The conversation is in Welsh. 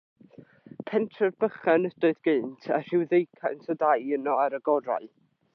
Pentref bychan ydoedd gynt, a rhyw ddeucant o dai ynddo ar y gorau.